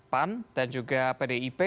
pan dan juga pdip